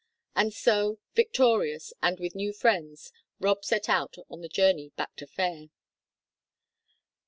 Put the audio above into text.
And so, victorious, and with new friends, Rob set out on the journey back to Fayre.